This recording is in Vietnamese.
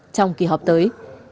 trong kỳ họp tới